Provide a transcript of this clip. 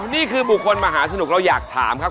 นี่คือบุคคลมหาสนุกเราอยากถามครับ